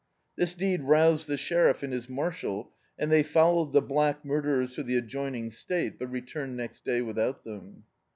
This deed roused the sheri6f and his marshal, and they followed the black murderers to the adjoining state, but returned next day without them.